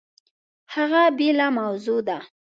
هغه بېله موضوع ده!